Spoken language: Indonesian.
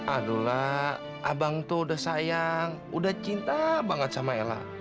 aduhlah abang tuh udah sayang udah cinta banget sama ella